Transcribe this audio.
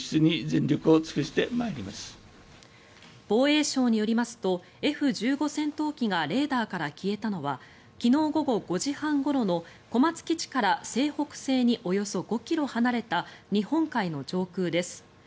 防衛省によりますとＦ１５戦闘機がレーダーから消えたのは昨日午後５時半ごろの小松基地から西北西におよそ５ｋｍ離れた日本海の上空です。